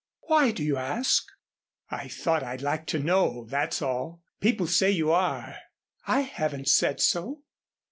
"Why do you ask?" "I thought I'd like to know, that's all. People say you are " "I haven't said so."